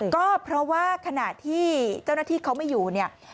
ก็เพราะว่าขณะที่เจ้าหน้าที่เขาไม่อยู่เนี่ย